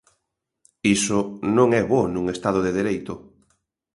Iso non é bo nun Estado de dereito.